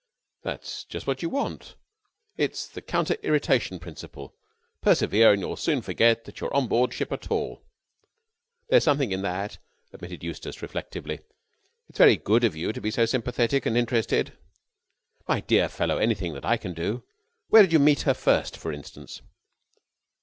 "That's just what you want. It's the counter irritation principle. Persevere and you'll soon forget that you're on board ship at all." "There's something in that," admitted Eustace reflectively. "It's very good of you to be so sympathetic and interested." "My dear fellow ... anything that I can do ... where did you meet her first, for instance?"